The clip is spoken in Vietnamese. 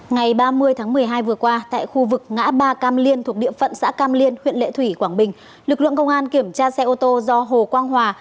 ngày ba mươi tháng một mươi hai vừa qua tại khu vực ngã ba cam liên thuộc địa phận xã cam liên huyện lệ thủy quảng bình lực lượng công an kiểm tra xe ô tô do hồ quang hòa